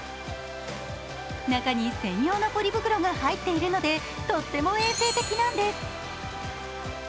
中に専用のポリ袋が入っているので、とっても衛生的なんです。